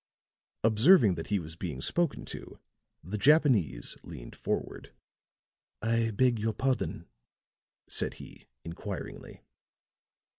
'" Observing that he was being spoken to, the Japanese leaned forward. "I beg your pardon?" said he, inquiringly.